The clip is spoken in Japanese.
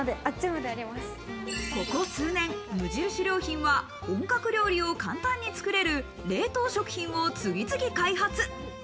ここ数年、無印良品は本格料理を簡単につくれる冷凍食品を次々開発。